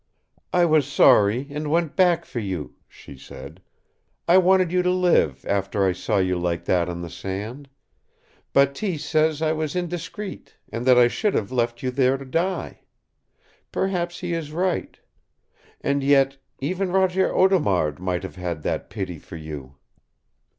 "I was sorry and went back for you," she said. "I wanted you to live, after I saw you like that on the sand. Bateese says I was indiscreet, that I should have left you there to die. Perhaps he is right. And yet even Roger Audemard might have had that pity for you."